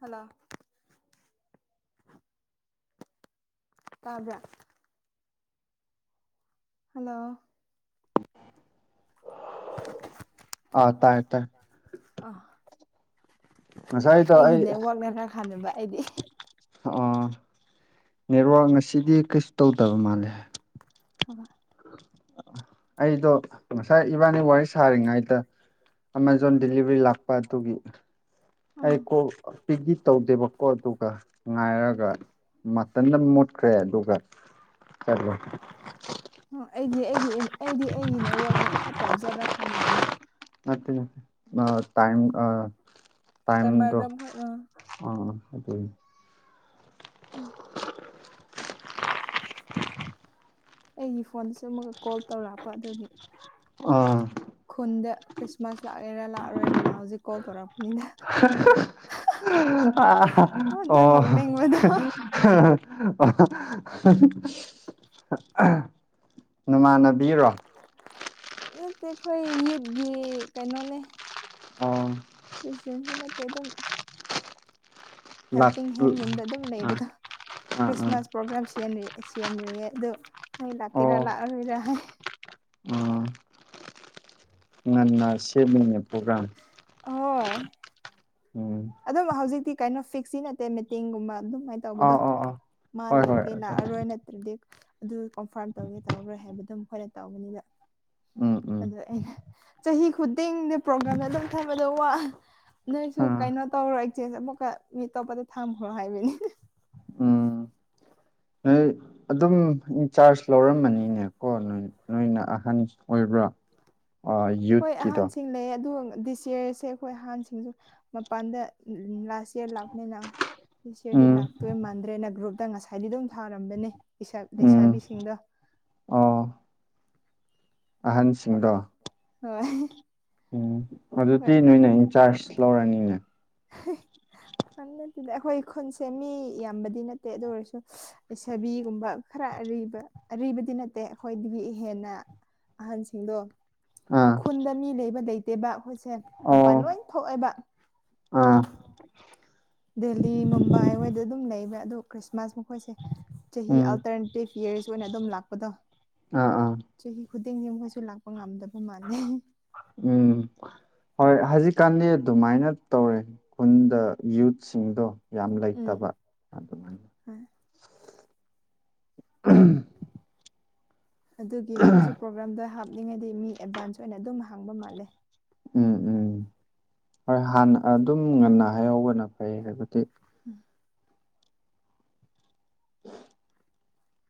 hello ꯇꯥꯕ꯭ꯔꯥ hello ꯑꯥ ꯇꯥꯏ ꯇꯥꯏ ꯑ ꯑꯩꯒꯤꯅꯦ ꯋꯥꯛꯅ ꯈꯔ ꯈꯥꯟꯅꯕ ꯑꯩꯗꯤ ꯑ ꯅꯦꯠꯋꯥꯛ ꯉꯁꯤꯗꯤ ꯀꯩꯁꯨ ꯇꯧꯗꯕ ꯃꯥꯜꯂꯦ ꯍꯕ ꯑꯩꯗꯣ ꯉꯁꯥꯏ ꯏꯕꯥꯅꯤ ꯋꯥꯔꯤ ꯁꯥꯔꯤꯉꯩꯗ ꯑꯃꯥꯖꯣꯟ ꯗꯦꯂꯤꯚꯔꯤ ꯂꯥꯛꯄ ꯑꯗꯨꯒꯤ ꯑꯩ ꯀꯣꯛ ꯑꯄꯤꯛꯗꯤ ꯇꯧꯗꯦꯕꯀꯣ ꯑꯗꯨꯒ ꯉꯥꯏꯔꯒ ꯃꯇꯟꯗ ꯃꯨꯠꯈ꯭ꯔꯦ ꯑꯗꯨꯒ ꯆꯠꯂꯦ ꯑꯣ ꯑꯩꯒꯤ ꯑꯩꯒꯤ ꯑꯩꯗꯤ ꯑꯩꯒꯤ ꯅꯦꯠꯋꯛꯅ ꯌꯥꯝ ꯐꯠꯇꯕ ꯖꯔꯥ ꯈꯟꯕꯅꯤ ꯅꯠꯇꯦ ꯅꯠ ꯑ ꯇꯥꯏꯝ ꯑ ꯇꯥꯏꯝꯗꯣ ꯑ ꯑꯗꯨ ꯑꯩꯒꯤ ꯐꯣꯟꯗꯁꯨ ꯑꯃꯨꯛꯀ ꯀꯣꯜ ꯇꯧꯔꯛꯄ ꯑꯗꯨꯒꯤ ꯑꯥ ꯈꯨꯟꯗ ꯈ꯭ꯔꯤꯁꯃꯥꯁ ꯂꯥꯛꯑꯦꯔꯥ ꯂꯥꯛꯑꯔꯣꯏꯗꯅ ꯍꯧꯖꯤꯛ ꯀꯣꯜ ꯇꯧꯔꯛꯄꯅꯤꯅ ꯑ ꯑꯣ ꯍ ꯑꯣ ꯅꯃꯥꯟꯅ ꯅꯠꯇꯦ ꯑꯩꯈꯣꯏ ꯌꯨꯠꯒꯤ ꯀꯩꯅꯣꯅꯦ [unintelligible] ꯅꯠꯇꯦ ꯗꯨꯝ ꯍꯦꯜꯄꯤꯡ ꯍꯦꯟꯒꯨꯝꯕꯗ ꯑꯗꯨꯝ ꯂꯩꯕꯗꯣ ꯈ꯭ꯔꯤꯁꯃꯥꯁ ꯄ꯭ꯔꯣꯒ꯭ꯔꯥꯝ ꯁꯦꯝꯔꯤ ꯁꯦꯝꯔꯤꯌꯦ ꯑꯗꯣ ꯅꯣꯏ ꯂꯥꯛꯀꯦꯔꯥ ꯂꯥꯛꯑꯔꯣꯏꯔ ꯍꯥꯏ ꯉꯟꯅ ꯁꯦꯝꯃꯤꯅꯦ ꯄ꯭ꯔꯣꯒ꯭ꯔꯥꯝ ꯑꯣꯏ ꯑꯗꯨꯝ ꯍꯧꯖꯤꯛꯇꯤ ꯀꯩꯅꯣ ꯐꯤꯛꯁꯁꯤ ꯅꯠꯇꯦ ꯃꯤꯇꯤꯡꯒꯨꯝꯕ ꯑꯗꯨꯃꯥꯏ ꯇꯧꯕꯗꯣ ꯃꯥ ꯂꯥꯛꯀꯦ ꯂꯥꯛꯑꯔꯣꯏ ꯅꯠꯇ꯭ꯔꯗꯤ ꯑꯗꯨ ꯀꯟꯐꯥꯔꯝ ꯇꯧꯒꯦ ꯇꯧꯔꯣꯏ ꯍꯥꯏꯕꯗꯨ ꯃꯈꯣꯏꯅ ꯇꯧꯕꯅꯤꯅ ꯑꯗꯣ ꯑꯩꯅ ꯆꯍꯤ ꯈꯨꯗꯤꯡꯗ ꯄ꯭ꯔꯣꯒ꯭ꯔꯥꯝꯗ ꯑꯗꯨꯝ [unintelligible] ꯋꯥ ꯅꯣꯏꯁꯨ ꯀꯩꯅꯣ ꯇꯧꯔꯣ ꯑꯦꯛꯆꯦꯁ ꯑꯃꯨꯛꯀ ꯃꯤ ꯑꯇꯣꯞꯄꯗ ꯊꯝꯈ꯭ꯔꯣ ꯍꯥꯏꯕꯅꯤ ꯑꯗꯨꯝ ꯏꯟꯆꯥꯥꯔꯖ ꯂꯧꯔꯝꯃꯅꯤꯅꯦ ꯀꯣ ꯅꯣꯏ ꯅꯣꯏꯅ ꯑꯍꯟ ꯑꯣꯏꯕ꯭ꯔꯥ ꯍꯣꯏ ꯑꯍꯟꯁꯤꯡ ꯂꯩꯌꯦ ꯑꯗꯨ ꯗꯤꯁ ꯏꯌꯔꯁꯦ ꯑꯩꯈꯣꯏ ꯑꯍꯥꯟꯁꯤꯡꯁꯨ ꯃꯄꯥꯟꯗ ꯂꯥꯁ ꯏꯌꯥꯔ ꯂꯥꯛꯄꯅꯤꯅ ꯇꯤꯆꯔꯗꯤ ꯂꯥꯛꯇꯣꯏ ꯃꯥꯟꯗ꯭ꯔꯦꯅ ꯒ꯭ꯔꯨꯞꯇ ꯉꯁꯥꯏꯗꯤ ꯑꯗꯨꯝ ꯊꯥꯔꯝꯕꯅꯦ ꯂꯩꯁꯥ ꯂꯩꯁꯥꯕꯤꯁꯤꯡꯗꯣ ꯑꯍꯟꯁꯤꯡꯗꯣ ꯍꯣꯏ ꯎꯝ ꯑꯗꯨꯗꯤ ꯅꯣꯏꯅ ꯏꯟꯆꯥꯔꯖ ꯂꯧꯔꯅꯤꯅꯦ ꯍ [unintelligible] ꯑ ꯅꯠꯇꯦꯗ ꯑꯩꯈꯣꯏ ꯈꯨꯟꯁꯦ ꯃꯤ ꯌꯥꯝꯕꯗꯤ ꯅꯠꯇꯦ ꯑꯗꯨ ꯑꯣꯏꯔꯁꯨ ꯂꯩꯁꯥꯕꯤꯒꯨꯝꯕ ꯈꯔ ꯑꯔꯤꯕ ꯑꯔꯤꯕꯗꯤ ꯅꯠꯇꯦ ꯑꯩꯈꯣꯏꯗꯒꯤ ꯍꯦꯟꯅ ꯑꯍꯟꯁꯤꯡꯗꯣ ꯎꯝ................. ꯄꯨꯟꯗ ꯃꯤ ꯂꯩꯕ ꯂꯩꯇꯦꯕ ꯑꯩꯈꯣꯏꯁꯦ ꯃꯄꯥꯟ ꯂꯣꯏ ꯊꯣꯛꯑꯦꯕ ꯎꯝ............... ꯗꯦꯜꯂꯤ ꯃꯨꯝꯕꯥꯏ ꯍꯣꯏꯗ ꯑꯗꯨꯝ ꯂꯩꯕ ꯑꯗꯨ ꯈ꯭ꯔꯤꯁꯃꯥꯁ ꯃꯈꯣꯏꯁꯦ ꯆꯍꯤ ꯑꯜꯇꯔꯅꯦꯇꯤꯞ ꯌꯤꯑ꯭ꯔ ꯑꯣꯏꯅ ꯑꯗꯨꯝ ꯂꯥꯛꯄꯗꯣ ꯆꯍꯤ ꯈꯨꯗꯤꯡꯗꯤ ꯃꯣꯢꯁꯨ ꯂꯥꯛꯄ ꯉꯝꯗꯕ ꯃꯥꯥꯟꯅꯩ ꯎꯝ ꯍꯣꯏ ꯍꯧꯖꯤꯛꯀꯥꯟꯗꯤ ꯑꯗꯨꯃꯥꯏꯅ ꯇꯧꯔꯦ ꯈꯨꯟꯗ ꯌꯨꯠꯁꯤꯡꯗꯣ ꯌꯥꯝ ꯂꯩꯇꯕ ꯑꯗꯨꯃꯥꯏꯅ ꯎꯍꯝ... ꯑꯗꯨꯒꯤ ꯃꯈꯣꯏꯁꯨ ꯄ꯭ꯔꯣꯒ꯭ꯔꯥꯝꯗ ꯍꯥꯞꯅꯤꯡꯉꯩꯗꯤ ꯃꯤ ꯑꯦꯗꯚꯥꯟ꯭ꯁ ꯑꯣꯏꯅ ꯑꯗꯨꯝ ꯍꯪꯕ ꯃꯥꯜꯂꯦ ꯎꯝ ꯎꯝ ꯍꯣꯏ ꯍꯥꯟꯅ ꯑꯗꯨꯝ ꯉꯟꯅ ꯍꯥꯏꯍꯧꯕꯅ ꯐꯩ ꯍꯥꯏꯕꯗꯤ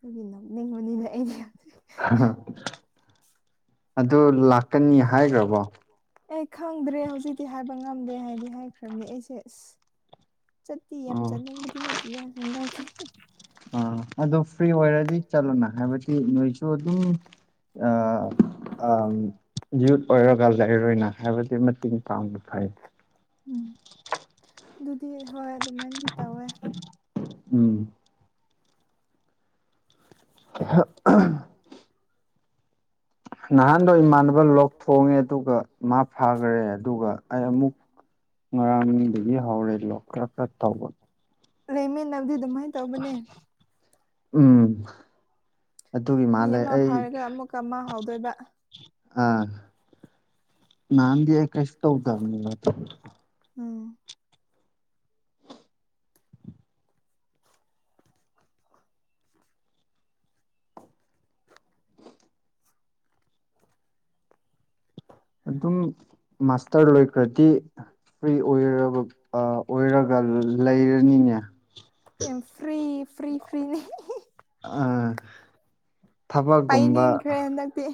ꯑꯩꯒꯤ ꯅꯣꯛꯅꯤꯡꯕꯅꯤꯅ ꯑꯩꯗꯤ.... ꯍꯥ-ꯍꯥ ꯑꯗꯨ ꯂꯥꯛꯀꯅꯤ ꯍꯥꯏꯈ꯭ꯔꯥꯕꯣ ꯑꯦ ꯈꯪꯗ꯭ꯔꯦ ꯍꯧꯖꯤꯛꯇꯤ ꯍꯥꯏꯕ ꯉꯝꯗꯦ ꯍꯥꯏꯗꯤ ꯍꯥꯏꯈ꯭ꯔꯥꯕꯅꯦ ꯑꯩꯁꯦ ꯑ꯭ꯁ... ꯆꯠꯇꯤ ꯌꯥꯝ ꯆꯠꯅꯤꯡꯕꯗꯤ ꯅꯠꯇꯦꯗ ꯍꯟꯗꯛꯇꯤ ꯑꯥ ꯑꯗꯨ ꯐ꯭ꯔꯤ ꯑꯣꯏꯔꯗꯤ ꯆꯠꯂꯣꯅ ꯍꯥꯏꯕꯗꯤ ꯅꯣꯏꯁꯨ ꯑꯗꯨꯝ.... ꯑ.................. ꯑ.. ꯌꯨꯠ ꯑꯣꯏꯔꯒ ꯂꯩꯔꯣꯏꯅ ꯍꯥꯏꯕꯗꯤ ꯃꯇꯦꯡ ꯄꯥꯡꯅ ꯐꯩ ꯎꯝ ꯑꯗꯨꯗꯤ ꯍꯣꯏ ꯑꯗꯨꯃꯥꯏꯅꯗꯤ ꯇꯧꯋꯦ ꯎꯝ.... [inaudible] ꯑꯍꯥ....... ꯑꯍꯝ ꯅꯍꯥꯟꯗꯣ ꯏꯃꯥꯟꯅꯕ ꯂꯣꯛ ꯊꯣꯡꯉꯦ ꯑꯗꯨꯒ ꯃꯥ ꯐꯈ꯭ꯔꯦ ꯑꯗꯨꯒ ꯑꯩ ꯑꯃꯨꯛ.... ꯉꯔꯥꯡꯗꯒꯤ ꯍꯧꯔꯦ ꯂꯣꯛ ꯈꯔ-ꯈꯔ ꯇꯧꯕ ꯔꯦꯃꯤꯟꯅꯕꯗꯤ ꯗꯨꯃꯥꯢ.... ꯎꯝ... ꯑꯗꯨꯒꯤ ꯃꯥꯜꯂꯦ ꯑꯩ.... ꯑ..... ꯅꯍꯥꯟꯗꯤ ꯑꯩ ꯀꯩꯁꯨ ꯇꯧꯗꯕꯅꯦꯕ ꯎꯝ..... ꯑꯗꯨꯝ ꯃꯥꯁꯇꯔ ꯂꯣꯏꯈ꯭ꯔꯗꯤ ꯐ꯭ꯔꯤ ꯑꯣꯏꯔꯕ ꯑ.. ꯑꯣꯏꯔꯒ ꯂꯩꯔꯅꯤꯅꯦ ꯌꯥꯝ ꯐ꯭ꯔꯤ-ꯐ꯭ꯔꯤ ꯐ꯭ꯔꯤꯅꯦ....... ꯄꯩꯅꯤꯏ ꯈ꯭ꯔꯦ ꯍꯟꯗꯥꯛꯗꯤ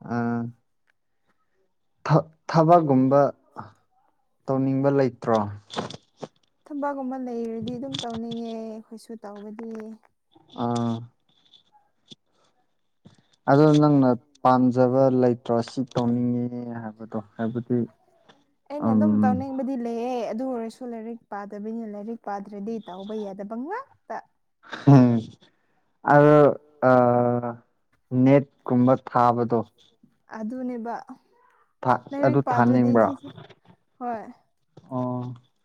ꯑ....... ꯊ-ꯊꯕꯛꯒꯨꯝꯕ ꯇꯧꯅꯤꯡꯕ ꯂꯩꯇ꯭ꯔꯣ ꯊꯕꯛꯒꯨꯝꯕ ꯂꯩꯔꯗꯤ ꯑꯗꯨꯝ ꯇꯧꯅꯤꯡꯉꯦ ꯑꯩꯈꯣꯏꯁꯨ ꯇꯧꯕꯗꯤ ꯑꯥ.... ꯑꯗꯣ ꯅꯪꯅ ꯄꯥꯝꯖꯕ ꯂꯩꯇ꯭ꯔꯣ ꯁꯤ ꯇꯧꯅꯤꯡꯉꯦ ꯍꯥꯏꯕꯗꯣ ꯍꯥꯏꯕꯗꯤ.... ꯑꯩꯅ ꯑꯗꯨꯝ ꯇꯧꯅꯤꯡ..... ꯑꯃꯗꯤ ꯂꯩꯌꯦ ꯑꯗꯨ ꯑꯣꯏꯔꯁꯨ ꯂꯥꯏꯔꯤꯛ ꯄꯥꯗꯕꯅꯤꯅ ꯂꯥꯏꯔꯤꯛ ꯄꯥꯗ꯭ꯔꯥꯗꯤ ꯇꯧꯕ ꯌꯥꯗꯕ ꯉꯥꯛ........ ꯍꯝ............ ꯑꯗꯣ ꯑ... ꯅꯦꯠꯀꯨꯝꯕ ꯊꯥꯕꯗꯣ..... ꯑꯗꯨꯅꯦꯕ ꯂꯥꯏꯔꯤꯛ ꯄꯥꯗ꯭ꯔꯥꯗꯤ ꯁꯤꯁꯦ... ꯍꯣꯏ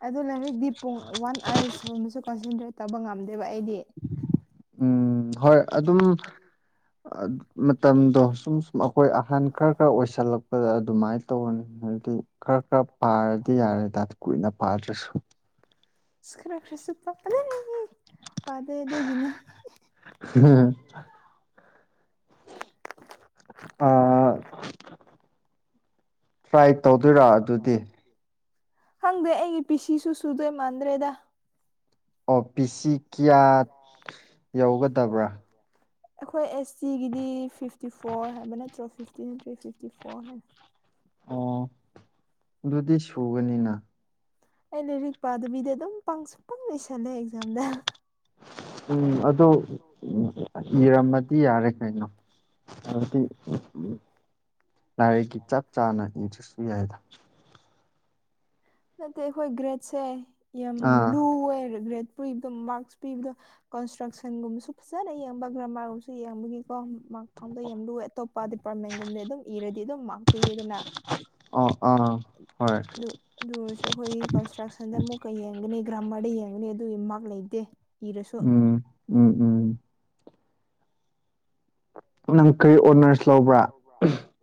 ꯑꯗꯣ ꯂꯥꯏꯔꯤꯛꯇꯤ ꯄꯨꯡ ꯋꯥꯟ ꯑꯥꯋꯥꯔ ꯁꯤꯒꯨꯝꯕꯁꯨ ꯀꯣꯟꯁꯦꯟꯇ꯭ꯔꯦꯠ ꯇꯧꯕ ꯉꯝꯗꯦꯕ ꯑꯩꯗꯤ ꯎꯝ ꯍꯣꯏ ꯑꯗꯨꯝ ꯑꯥ...... ꯃꯇꯝꯗꯣ ꯁꯨꯝ ꯁꯨꯝ ꯑꯩꯈꯣꯏ ꯑꯍꯟ ꯈꯔ-ꯈꯔ ꯑꯣꯏꯁꯜꯂꯛꯄꯗ ꯑꯗꯨꯃꯥꯏꯅ........ ꯇꯣ ꯍꯥꯏꯗꯤ ꯈꯔ ꯈꯔ ꯄꯥꯔꯗꯤ ꯌꯥꯔꯦꯗ ꯀꯨꯏꯅ ꯄꯥꯗ꯭ꯔꯁꯨ ꯈꯔꯥ ꯈꯔꯥꯁꯨ ꯄꯇ꯭ꯔꯦ ꯄꯥꯗꯦꯗꯨꯒꯤꯅꯤ.... ꯍꯥ........ ꯑ.... ꯇ꯭꯭ꯔꯥꯏ ꯇꯧꯗꯣꯏꯔꯥ ꯑꯗꯨꯗꯤ ꯈꯪꯗꯦ ꯑꯩꯒꯤ ꯄꯤꯁꯤꯁꯨ ꯁꯨꯗꯣꯏ ꯃꯥꯟꯗ꯭ꯔꯦꯗ ꯑꯣ ꯄꯤꯁꯤ ꯀꯌꯥ ꯌꯧꯒꯗꯕ꯭ꯔꯥ ꯑꯩꯈꯣꯏ ꯑꯦꯁ ꯇꯤ ꯒꯤꯗꯤ ꯐꯤꯐꯇꯤ ꯐꯣꯔ ꯍꯥꯏꯕ ꯅꯠꯇ꯭ꯔꯣ ꯐꯤꯐꯇꯤ ꯅꯠꯇ꯭ꯔꯦ ꯐꯤꯐꯇꯤ ꯐꯣꯔ ꯍꯥꯏ ꯑꯣ ꯑꯗꯨꯗꯤ ꯁꯨꯒꯅꯤꯅ ꯑꯩ ꯂꯥꯏꯔꯤꯛ ꯄꯥꯗꯕꯤꯗ ꯑꯗꯨꯝ ꯄꯪ ꯁꯨꯡ ꯄꯪ ꯁꯤꯜꯂꯦ ꯑꯦꯛꯖꯥꯝꯗ ꯎꯝ ꯑꯗꯣ ꯏꯔꯝꯃꯗꯤ ꯌꯥꯔꯦ ꯀꯩꯅꯣ ꯑꯗꯨꯗꯤ ꯂꯥꯏꯔꯤꯛꯀꯤ ꯆꯞ ꯆꯥꯅ ꯏꯟꯇꯔꯁꯨ ꯌꯥꯏꯗ ꯅꯠꯇꯦ ꯑꯩꯈꯣꯏ ꯒ꯭ꯔꯦꯠꯁꯦ ꯌꯥꯝ ꯂꯨ ꯑꯣꯏ ꯒ꯭ꯔꯦꯠ ꯄꯨꯕꯗꯣ ꯃꯥꯔꯛꯁ ꯄꯤꯕꯗꯣ ꯀꯟꯁꯇ꯭ꯔꯛꯁꯟꯒꯨꯝꯕꯁꯨ ꯐꯖꯅ ꯌꯦꯡꯕ ꯒ꯭ꯔꯃꯥꯔꯒꯨꯝꯕꯁꯨ ꯌꯦꯡꯕꯒꯤꯀꯣ ꯃꯥꯛ ꯐꯪꯕ ꯌꯥꯝ ꯂꯨꯋꯦ ꯑꯇꯣꯞꯄ ꯗꯤꯄꯥꯔꯠꯃꯦꯟꯒꯨꯝꯅ ꯑꯗꯨꯝ ꯏꯔꯗꯤ ꯑꯗꯨꯝ ꯃꯥꯛꯄꯌꯦꯗꯅ ꯑꯣ ꯑꯥ ꯍꯣꯏ ꯑꯗꯨ ꯑꯣꯏꯔꯁꯨ ꯑꯩꯈꯣꯏꯒꯤ ꯀꯟꯁꯇ꯭ꯔꯛꯁꯟꯗ ꯑꯃꯨꯛꯀ ꯌꯦꯡꯒꯅꯤ ꯒ꯭ꯔꯥꯃꯔꯗ ꯌꯦꯡꯒꯅꯤ ꯑꯗꯨꯒꯤ ꯃꯥꯛ ꯂꯩꯇꯦ ꯏꯔꯁ ꯎꯝ ꯎꯝ ꯎꯝ ꯅꯪ ꯀ꯭ꯔꯤ ꯑꯣꯅꯔꯁ ꯂꯧꯕ꯭ꯔꯥ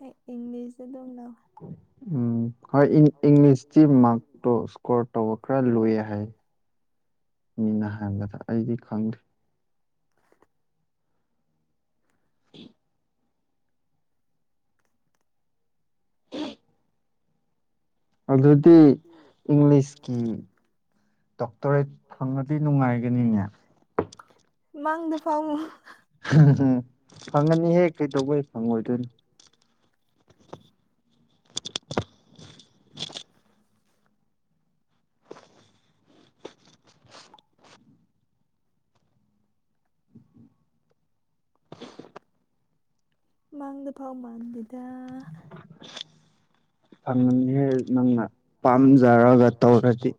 ꯑꯩ ꯏꯪꯂꯤꯁꯇ ꯑꯗꯨꯝ ꯂꯧꯋꯦ ꯎꯝ ꯍꯣꯏ ꯏꯪꯂꯤꯁꯇꯤ ꯃꯥꯔꯛꯇꯣ ꯁꯀꯣꯔ ꯇꯧꯕ ꯈꯔ ꯂꯨꯌꯦ ꯍꯥꯏ ꯃꯤꯅ ꯍꯥꯏꯕꯗ ꯑꯩꯗꯤ ꯈꯪꯗꯦ [unintelligible] [unintelligible] [unintelligible] ꯑꯗꯨꯗꯤ ꯏꯪꯂꯤꯁꯀꯤ ꯗꯣꯛꯇꯔꯦꯠ ꯐꯪꯉꯗꯤ ꯅꯨꯡꯉꯥꯏꯒꯅꯤꯅꯦ ꯃꯥꯡꯗ ꯐꯥꯎ [unintelligible] ꯐꯪꯉꯅꯤꯍꯦ ꯀꯩꯗꯧꯕꯩ ꯐꯪꯉꯣꯏꯗꯣꯏꯅꯣ ꯃꯥꯡꯗꯐꯥꯎ ꯃꯥꯟꯗꯦꯗ ꯐꯪꯅꯤ ꯅꯪꯅ ꯄꯥꯝꯖꯔꯒ ꯇꯧꯔꯗꯤ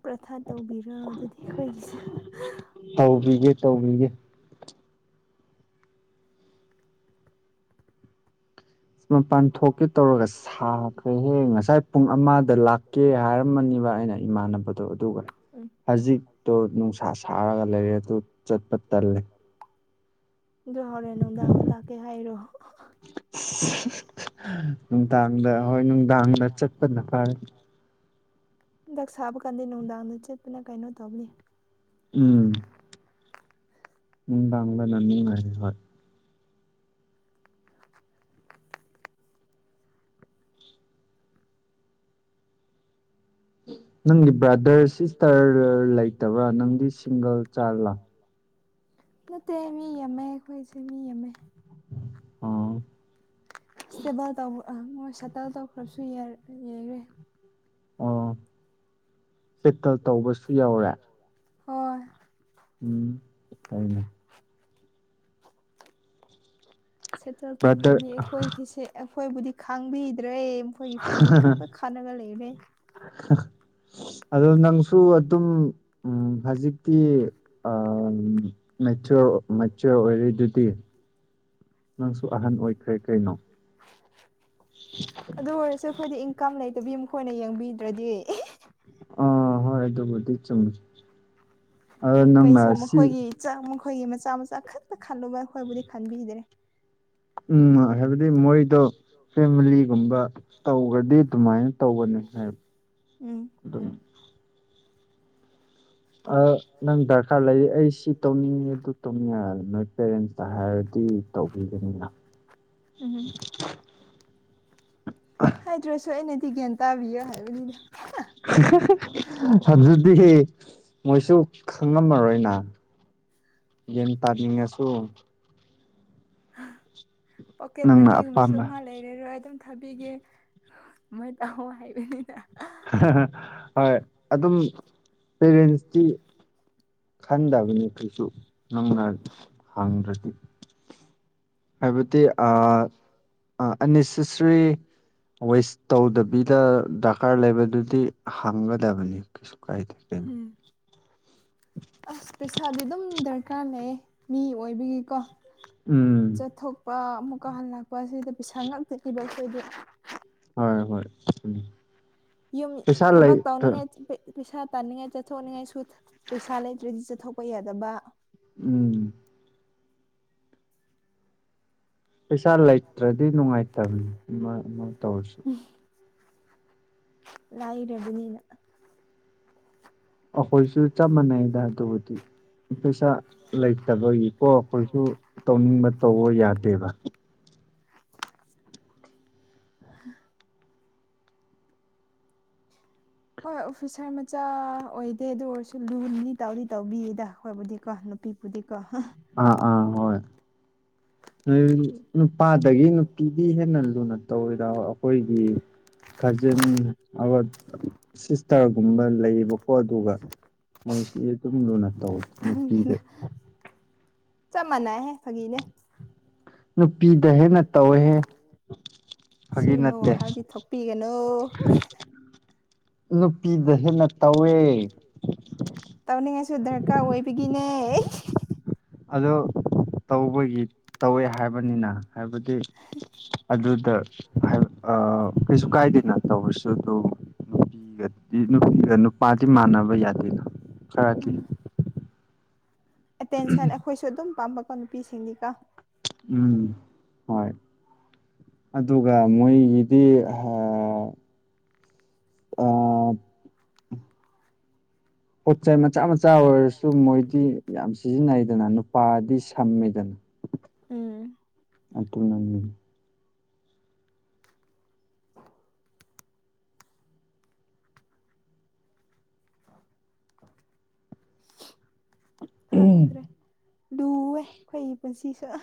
ꯄ꯭ꯔꯊꯥ ꯇꯧꯕꯤꯔꯣ ꯑꯗꯨꯗꯤ ꯑꯩꯈꯣꯏꯒꯤꯁꯨ ꯇꯧꯕꯤꯒꯦ ꯇꯧꯕꯤꯒꯦ ꯃꯄꯥꯟ ꯊꯣꯛꯀꯦ ꯇꯧꯔꯒ ꯁꯥꯈ꯭ꯔꯦꯍ ‌ꯦ ꯉꯁꯥꯏ ꯄꯨꯡ ꯑꯃꯗ ꯂꯥꯛꯀꯦ ꯍꯥꯏꯔꯝꯃꯅꯤꯕ ꯑꯩꯅ ꯏꯃꯥꯟꯅꯕꯗꯣ ꯑꯗꯨꯒ ꯍꯧꯖꯤꯛꯇꯣ ꯅꯨꯡꯁꯥ ꯁꯥꯔꯒ ꯂꯩꯔꯦ ꯑꯗꯨ ꯆꯠꯄ ꯇꯜꯂꯦ ꯑꯣ ꯍꯣꯔꯦꯟ ꯅꯨꯡꯗꯥꯡꯗ ꯂꯥꯛꯀꯦ ꯍꯥꯏꯔꯣ ꯅꯨꯡꯗꯥꯡꯗ ꯍꯣꯏ ꯅꯨꯡꯗꯥꯡꯗ ꯆꯠꯄꯅ ꯐꯔꯦ ꯍꯟ ꯗꯛ ꯁꯥꯕ ꯀꯥꯟꯗ ꯅꯨꯡꯗꯥꯡꯗ ꯆꯠꯄꯅ ꯀꯩꯅꯣ ꯇꯧꯕꯅꯤ ꯎꯝ ꯎꯝ ꯅꯨꯡꯗꯥꯡ ꯗꯅ ꯅꯨꯡꯉꯥꯏꯔ‌ꯦ ꯍꯣꯏ ꯅꯪꯒꯤ ꯕ꯭ꯔꯥꯗꯔ ꯁꯤꯁꯇꯔ ꯂꯩꯇꯕ꯭ꯔꯥ ꯅꯪꯗꯤ ꯁꯤꯡꯒꯜ ꯆꯥꯏꯜ ꯂꯥ ꯅꯠꯇꯦ ꯃꯤ ꯌꯥꯝꯃꯦ ꯑꯩꯈꯣꯏꯁꯨ ꯃꯤ ꯌꯥꯝꯃꯦ ꯑꯣ ꯕꯜ ꯇ ꯃꯣꯏ ꯁ‌ꯦꯇꯜ ꯇꯧꯈ꯭ꯔꯕꯁꯨ ꯌꯥꯈ꯭ꯔꯦ ꯑꯣ ꯁ‌ꯦꯇꯜ ꯇꯧꯕꯁꯨ ꯌꯥꯎꯋ‌ꯦ ꯍꯣꯏ ꯎꯝ ꯍꯥꯏꯅ ꯁꯦꯇꯜ ꯇꯧꯈ꯭ꯔꯕꯤ ꯑꯩꯈꯣꯏꯒꯤꯁꯦ ꯑꯩꯈꯣꯏꯕꯨꯗꯤ ꯈꯥꯡꯕꯤꯗ꯭ꯔꯦ ꯑꯩꯈꯣꯏꯒꯤ ꯐꯦꯃꯤꯂꯤ ꯈꯛꯇ ꯈꯥꯟꯅꯔ ꯂꯩꯔꯦ [unintelligible] ꯑꯗꯣ ꯅꯪꯁꯨ ꯑꯗꯨꯝ ꯎꯝ ꯍꯧꯖꯤꯛꯇꯤ ꯑ ꯃꯦꯆꯌꯣꯔ ꯃꯦꯆ꯭ꯌꯣꯔ ꯑꯣꯏꯔꯔꯤꯗꯨꯗꯤ ꯅꯪꯁꯨ ꯑꯍꯟ ꯑꯣꯏꯈ꯭ꯔꯦ ꯀꯩꯅꯣ ꯑꯗꯨ ꯑꯣꯏꯔꯁꯨ ꯑꯩꯈꯣꯏꯗꯤ ꯏꯟꯀꯝ ꯂꯩꯇꯕꯤ ꯃꯈꯣꯏꯅ ꯌꯦꯡꯕꯤꯗ꯭ꯔꯗꯤ ꯑꯥ ꯍꯣꯏ ꯑꯗꯨꯕꯨꯗꯤ ꯆꯨꯝꯃꯤ ꯑꯗꯣ ꯅꯪ ꯑꯁꯤ ꯥꯆ ꯃꯈꯣꯏꯒꯤ ꯃꯆꯥ-ꯃꯆꯥ ꯈꯛꯇ ꯈꯜꯂꯨꯕ ꯑꯈꯣꯏꯕꯨꯗꯤ ꯈꯟꯕꯤꯗ꯭ꯔꯦ ꯎꯝ ꯍꯥꯏꯕꯗꯤ ꯃꯣꯏꯗꯣ ꯐꯦꯃꯤꯂꯤꯒꯨꯝꯕ ꯇꯧꯈ꯭ꯔꯗꯤ ꯑꯗꯨꯃꯥꯏꯅ ꯇꯧꯕꯅꯤ ꯍꯥꯏꯕ ꯎꯝ ꯅꯪ ꯗꯔꯀꯥꯔ ꯂꯩꯔꯤ ꯑꯩ ꯁꯤ ꯇꯧꯅꯤꯡꯉꯦ ꯑꯗꯨ ꯇꯧꯅꯤꯡꯉꯦ ꯅꯣꯏ ꯄꯦꯔꯦꯟꯁꯇ ꯍꯥꯏꯔꯗꯤ ꯇꯧꯕꯤꯒꯅꯤꯅ ꯎꯝꯍꯝ ꯑ ꯍꯥꯏꯗ꯭ꯔꯁꯨ ꯑꯩꯅꯗꯤ ꯒ꯭ꯌꯥꯟ ꯇꯥꯕꯤꯌꯣ ꯍꯥꯏꯕꯅꯤꯗ ꯑꯗꯨꯗꯤ ꯃꯣꯏꯁꯨ ꯈꯪꯉꯝꯃꯔꯣꯏꯅ ꯒ꯭ꯌꯥꯟ ꯇꯥꯅꯤꯡꯉꯁꯨ ꯄꯣꯀꯦꯠ ꯃꯅꯤꯒꯨꯝ ꯃꯁꯨ ꯂꯩꯔꯔꯣꯏ ꯑꯗꯨꯝ ꯊꯥꯕꯤꯒꯦ ꯃꯣꯏ ꯇꯥꯍꯣ ꯍꯥꯏꯕꯅꯤꯅ ꯍꯣꯏ ꯑꯗꯨꯝ ꯄꯦꯔꯦꯟꯁꯇꯤ ꯈꯟꯗꯕꯅꯤ ꯀꯩꯁꯨ ꯅꯪꯅ ꯍꯪꯗ꯭ꯔꯗꯤ ꯍꯥꯏꯕꯗꯤ ꯑ ꯑꯟꯅꯦꯁꯦꯁ꯭ꯔꯤ ꯋꯦꯁ ꯇꯧꯗꯕꯤꯗ ꯗꯔꯀꯥꯔ ꯂꯩꯕꯗꯨꯗꯤ ꯍꯪꯒꯗꯕꯅꯤ ꯀꯩꯁꯨ ꯀꯥꯏꯗꯦ ꯀꯩꯅꯣ ꯑꯁ ꯄꯩꯁꯥꯗꯤ ꯑꯗꯨꯝ ꯗꯔꯀꯥꯔ ꯂꯩꯌꯦ ꯃꯤ ꯑꯣꯏꯕꯒꯤꯀꯣ ꯆꯠꯊꯣꯛꯄ ꯑꯃꯨꯛꯀ ꯍꯜꯂꯛꯄ ꯂꯄꯥꯁꯤꯗ ꯄꯩꯁꯥ ꯉꯥꯛꯇꯅꯤꯕ ꯑꯩꯈꯣꯏꯗꯤ ꯍꯣꯏ ꯍꯣꯏ ꯎꯝ ꯌꯨꯝ ꯊꯕꯛ ꯇꯧꯅꯤꯡꯉꯦ [unintelligible] ꯄꯩꯁꯥ ꯇꯥꯅꯤꯡꯉꯥꯏ ꯆꯠꯊꯣꯛꯅꯤꯡꯉꯥꯏꯁꯨ ꯄꯩꯁꯥ ꯂꯩꯇ꯭ꯔꯗꯤ ꯆꯠꯊꯣꯛꯄ ꯌꯥꯗꯕ ꯎꯝ ꯄꯩꯁꯥ ꯂꯩꯇ꯭ꯔꯗꯤ ꯅꯨꯡꯉꯥꯏꯇꯕꯅꯤ ꯑꯃ-ꯑꯃ ꯇꯧꯔꯁꯨ ꯂꯥꯏꯔꯕꯅꯤꯅ ꯑꯈꯣꯏꯁꯨ ꯆꯞ ꯃꯥꯟꯅꯩꯗ ꯑꯗꯨꯕꯨꯗꯤ ꯄꯩꯁꯥ ꯂꯩꯇꯕꯒꯤꯀꯣ ꯑꯩꯈꯣꯏꯁꯨ ꯇꯧꯅꯤꯡꯕ ꯇꯧꯕ ꯌꯥꯗꯦꯕ ꯍ ꯍꯣꯏ ꯑꯣꯐꯤꯁꯥꯔ ꯃꯆꯥ ꯑꯣꯏꯗꯦ ꯑꯗꯨ ꯑꯣꯏꯔꯁꯨ ꯂꯨꯗꯤ ꯇꯧꯗꯤ ꯇꯧꯕꯤꯌꯦꯗ ꯍꯣꯏꯕꯨꯗꯤꯀꯣ ꯅꯨꯄꯤ ꯍꯨꯗꯤꯀꯣ ꯍꯥ ꯑꯥ ꯑꯥ ꯍꯣꯏ [unintelligible] ꯅꯣꯏ ꯅꯨꯄꯥꯗꯒꯤ ꯅꯨꯄꯤꯗꯤ ꯍꯦꯟꯅ ꯂꯨꯅ ꯇꯧꯋꯤꯗ ꯑꯈꯣꯏꯗꯤ ꯀꯖꯟ ꯑꯒꯣꯏ ꯁꯤꯁꯇꯔꯒꯨꯝꯕ ꯂꯩꯌꯦꯕꯀꯣ ꯑꯗꯨꯒ ꯃꯣꯏꯁꯤꯗꯤ ꯑꯗꯨꯝ ꯂꯨꯅ ꯇꯧꯋꯤ ꯅꯨꯄꯤꯗ ꯆꯞ ꯃꯥꯟꯅꯩꯍꯦ ꯐꯒꯤꯅꯦ ꯅꯨꯄꯤꯗ ꯍꯦꯟꯅ ꯇꯧꯌꯦꯍꯦ ꯁꯤꯒꯨꯝꯕ ꯋꯥꯈꯜꯗꯤ ꯊꯣꯛꯄꯤꯒꯅꯣ ꯅꯨꯄꯤꯗ ꯍꯦꯟꯅ ꯇꯧꯋꯦ ꯇꯧꯅꯤꯡꯉꯁꯨ ꯗꯔꯀꯥꯔ ꯑꯣꯏꯕꯒꯤꯅꯦ ꯑꯗꯣ ꯇꯧꯕꯒꯤ ꯇꯧꯋꯦ ꯍꯥꯏꯕꯅꯤꯅ ꯍꯥꯏꯕꯗꯤ ꯑꯗꯨꯗ ꯍꯥꯏ ꯕ ꯑ ꯀꯩꯁꯨ ꯀꯥꯏꯗꯦꯅ ꯇꯧꯕꯁꯨ ꯑꯗꯨ ꯅꯨꯒꯗꯤ ꯅꯨꯄꯤꯒ ꯅꯨꯄꯥꯗꯤ ꯃꯥꯟꯅꯕ ꯌꯥꯗꯦꯅ ꯈꯔꯗꯤ ꯑꯦꯇꯦꯟꯁꯟ ꯑꯩꯈꯣꯏꯁꯨ ꯑꯗꯨꯝ ꯄꯥꯝꯕꯀꯣ ꯅꯨꯄꯤꯁꯤꯡꯅꯤꯀꯣ ꯎꯝ ꯍꯣꯏ ꯑꯗꯨꯒ ꯃꯣꯏꯒꯤꯗꯤ ꯄꯣꯠ ꯆꯩ ꯃꯆꯥ-ꯃꯆꯥ ꯑꯣꯏꯔꯁꯨ ꯃꯣꯏꯗꯤ ꯌꯥꯝ ꯁꯤꯖꯤꯟꯅꯩꯗꯅ ꯅꯨꯄꯥꯗꯤ ꯁꯝꯃꯤꯗꯅ ꯎꯝ ꯑ ꯇꯅꯥ [inaudible] [inaudible] ꯐꯪꯗ꯭ꯔꯦ ꯂꯨꯑꯦ ꯑꯩꯈꯣꯏꯒꯤ ꯄꯨꯟꯁꯤꯁꯨ ꯑ